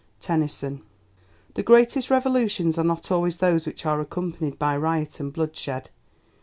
TENNYSON The greatest Revolutions are not always those which are accompanied by riot and bloodshed.